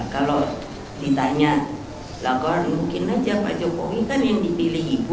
kalau ditanya lagu lagu mungkin aja pak jokowi kan yang dipilih